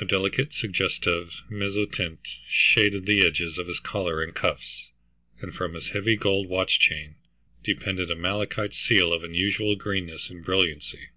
A delicate suggestive mezzotint shaded the edges of his collar and cuffs, and from his heavy gold watch chain depended a malachite seal of unusual greenness and brilliancy.